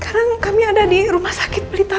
apa khawatirnya ini pret barrier ya